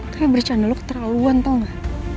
tapi bercanda lo keterlaluan tau gak